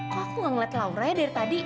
kok aku ngeliat lauranya dari tadi